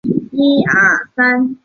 他的脚爪整天都在滑倒